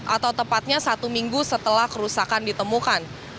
atau tepatnya satu minggu setelah kerusakan ditemukan